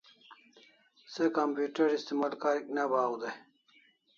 Se computer istimal karik ne bahaw day